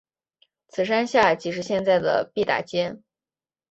此山下即是现在的毕打街。